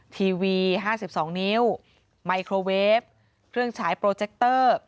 ทีวี๕๒นิ้วไมโครเวฟเครื่องฉายโปรเจคเตอร์